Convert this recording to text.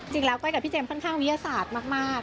ก้อยกับพี่เจมสค่อนข้างวิทยาศาสตร์มาก